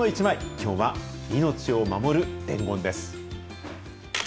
きょうは命を守る伝言です。